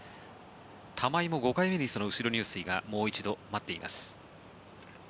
玉井も５回目にその後ろ入水がもう一度待っています。